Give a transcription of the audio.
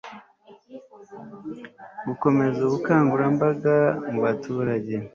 gukomeza ubukangurambaga mu baturage